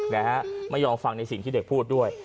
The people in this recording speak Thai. นะฮะไม่ยอมฟังในสิ่งที่เด็กพูดด้วย